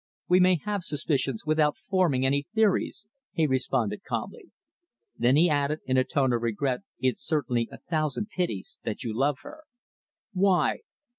"We may have suspicions without forming any theories," he responded calmly. Then he added, in a tone of regret, "It's certainly a thousand pities that you love her." "Why?"